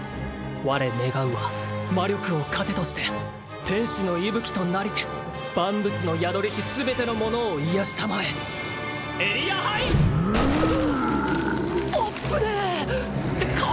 我願うは魔力を糧として天使の息吹となりて万物の宿りし全ての者を癒やし給えエリアハイあっぶねえって顔！